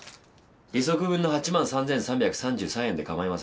利息分の８万３，３３３円で構いません。